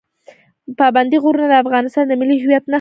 پابندی غرونه د افغانستان د ملي هویت نښه ده.